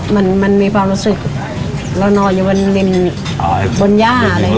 มันมันมีความรู้สึกเรานอนอยู่บนดินบนย่าอะไรอย่างนี้